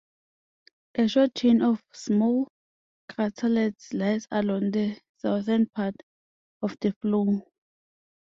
A short chain of small craterlets lies along the southern part of the floor.